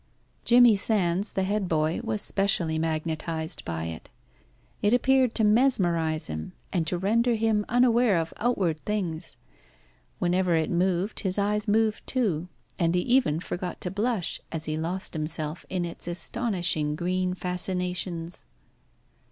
Jimmy Sands, the head boy, was specially magnetised by it. It appeared to mesmerise him, and to render him unaware of outward things. Whenever it moved his eyes moved too, and he even forgot to blush as he lost himself in its astonishing green fascinations.